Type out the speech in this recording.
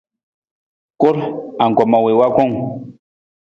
Kur, angkoma wii wa kung.